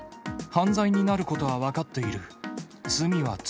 犯罪になることは分かっている。